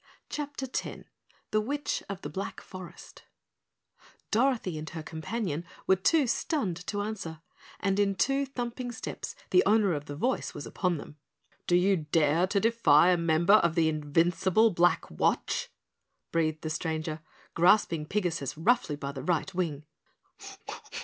CHAPTER 10 The Witch of the Black Forest Dorothy and her companion were too stunned to answer, and in two thumping steps the owner of the voice was upon them. "Do you dare to defy a member of the Invincible Black Watch?" breathed the stranger, grasping Pigasus roughly by the right wing.